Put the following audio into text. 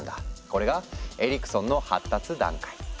これが「エリクソンの発達段階」。